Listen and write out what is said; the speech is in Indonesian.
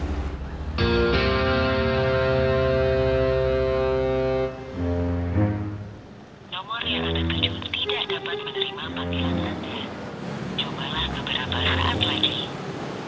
cobalah beberapa saat lagi